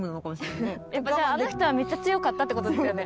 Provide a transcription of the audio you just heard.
やっぱじゃああの人はめっちゃ強かったって事ですよね。